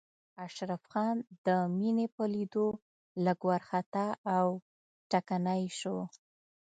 اشرف خان د مينې په ليدو لږ وارخطا او ټکنی شو.